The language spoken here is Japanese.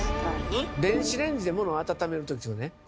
電子レンジでものを温める時というのはね